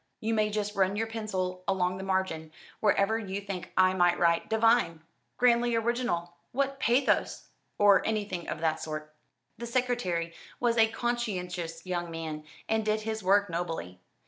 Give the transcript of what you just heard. You may just run your pencil along the margin wherever you think I might write 'divine!' 'grandly original!' 'what pathos!' or anything of that sort." The secretary was a conscientious young man, and did his work nobly.